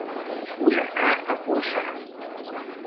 Vull anar a Corçà